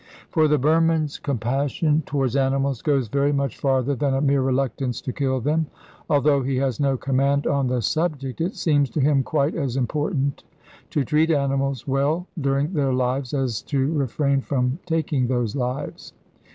For the Burman's compassion towards animals goes very much farther than a mere reluctance to kill them. Although he has no command on the subject, it seems to him quite as important to treat animals well during their lives as to refrain from taking those lives.